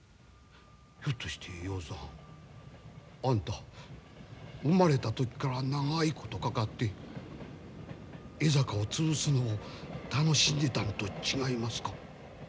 ひょっとして要造はんあんた生まれた時から長いことかかって江坂を潰すのを楽しんでたんと違いますか？